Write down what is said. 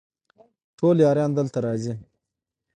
ټول یاران دلته راځي